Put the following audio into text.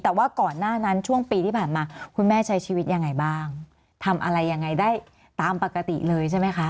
แต่ว่าก่อนหน้านั้นช่วงปีที่ผ่านมาคุณแม่ใช้ชีวิตยังไงบ้างทำอะไรยังไงได้ตามปกติเลยใช่ไหมคะ